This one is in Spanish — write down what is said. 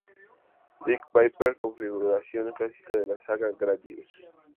Vic Viper: Configuración clásica de la saga "Gradius".